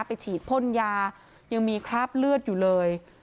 ไปฉีดพ่นยายังมีคราบเลือดอยู่เลย